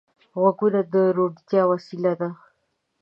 غوږونه د روڼتیا وسیله ده